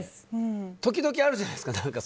時々、あるじゃないですか。